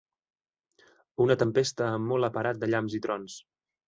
Una tempesta amb molt aparat de llamps i trons.